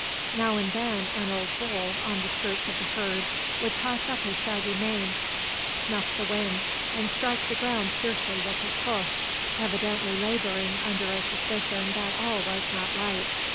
Now and then, an old bull, on the skirts of the herd, would toss up his shaggy mane, snuff the wind, and strike the ground fiercely with his hoof, evidently labouring under a suspicion that all was not right.